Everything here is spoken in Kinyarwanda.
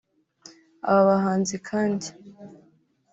Aba bahanzi kandi